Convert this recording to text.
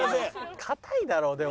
硬いだろでも。